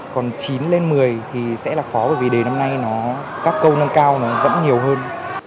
còn chín lên một mươi thì sẽ là khó bởi vì đề năm nay nó các câu nâng cao nó vẫn nhiều hơn